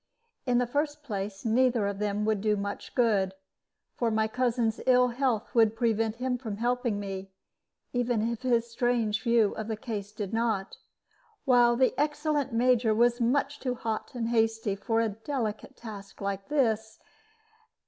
In the first place, neither of them would do much good; for my cousin's ill health would prevent him from helping me, even if his strange view of the case did not, while the excellent Major was much too hot and hasty for a delicate task like this.